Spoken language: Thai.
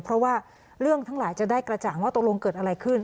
เพราะว่าเรื่องทั้งหลายจะได้กระจ่างว่าตกลงเกิดอะไรขึ้น